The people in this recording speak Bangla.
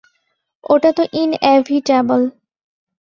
ওটা তো ইনএভিটেবেল!